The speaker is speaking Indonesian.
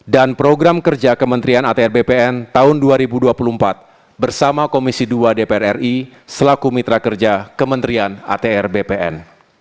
dan program kerja kementerian atr bpn tahun dua ribu dua puluh empat bersama komisi ii dpr ri selaku mitra kerja kementerian atr bpn